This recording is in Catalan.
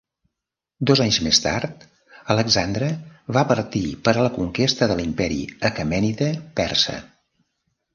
Dos anys més tard, Alexandre va partir per a la conquesta de l'Imperi aquemènida persa.